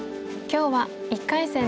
今日は１回戦